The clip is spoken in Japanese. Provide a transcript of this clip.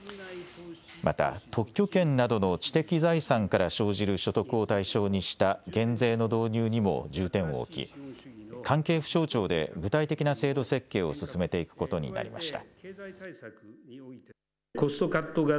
また特許権などの知的財産から生じる所得を対象にした減税の導入にも重点を置き関係府省庁で具体的な制度設計を進めていくことになりました。